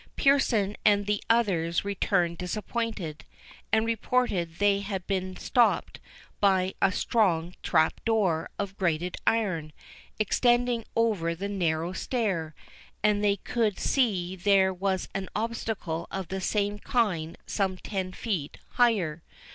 Pearson and the others returned disappointed, and reported they had been stopt by a strong trap door of grated iron, extended over the narrow stair; and they could see there was an obstacle of the same kind some ten feet higher.